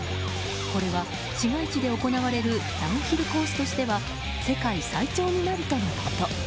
これは市街地で行われるダウンヒルコースとしては世界最長になるとのこと。